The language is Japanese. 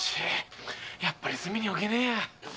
やっぱり隅に置けねえや。